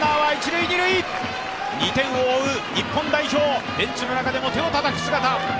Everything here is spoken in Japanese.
２点を追う日本代表、ベンチの中でも手をたたく姿！